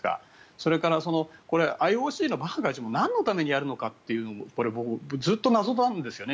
それから、ＩＯＣのバッハ会長もなんのためにやるのかってずっと謎なんですよね